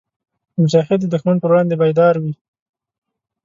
مجاهد د دښمن پر وړاندې بیدار وي.